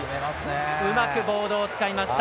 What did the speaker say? うまくボールを使いました。